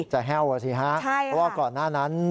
แห้วอ่ะสิฮะเพราะว่าก่อนหน้านั้น